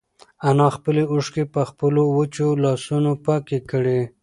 انا خپلې اوښکې په خپلو وچو لاسونو پاکې کړې.